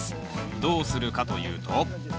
どうするかというと？